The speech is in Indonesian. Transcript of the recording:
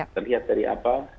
terlihat dari apa